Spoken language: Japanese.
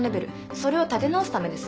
それを立て直すためです。